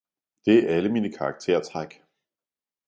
Det er alle mine karaktertræk.